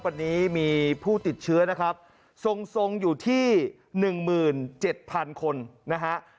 วันนี้มีผู้ติดเชื้อส่งอยู่ที่๑๗๐๐๐คนนะครับ